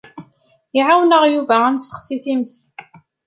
Iɛawen-aɣ Yuba ad nessexsi times.